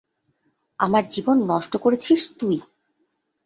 আমার জীবন নষ্ট করেছিস তুই।